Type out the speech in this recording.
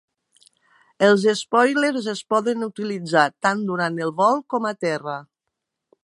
Els espòilers es poden utilitzar tant durant el vol com a terra.